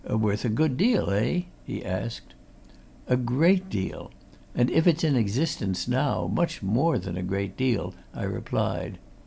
"Worth a good deal, eh?" he asked. "A great deal! and if it's in existence now, much more than a great deal," I replied.